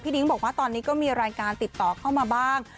นิ้งบอกว่าตอนนี้ก็มีรายการติดต่อเข้ามาบ้าง